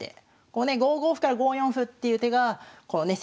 こうね５五歩から５四歩っていう手がこのね